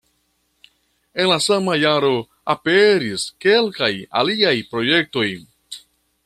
En la sama jaro aperis kelkaj aliaj projektoj.